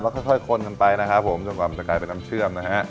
ค่อยคนกันไปนะครับผมจนกว่ามันจะกลายเป็นน้ำเชื่อมนะฮะ